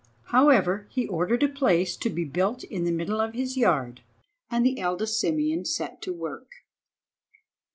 However, he ordered a place to be built in the middle of his yard, and the eldest Simeon set to work.